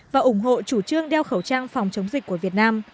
và ủng hộ chủ trương đeo khẩu trang phòng chống dịch của việt nam